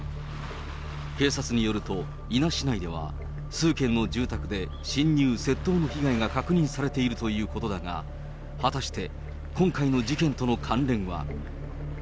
警察によると、伊那市内では数軒の住宅で侵入・窃盗の被害が確認されているということだが、果たして今回の事件との関連は。